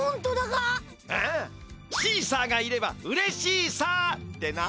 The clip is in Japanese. シーサーがいればうれシーサーってな。